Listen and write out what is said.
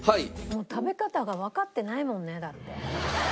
もう食べ方がわかってないもんねだって。